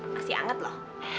masih anget loh